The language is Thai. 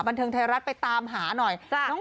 บันเทิงไทยรัฐไปตามหาหน่อย